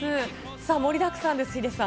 さあ、盛りだくさんです、ヒデさん。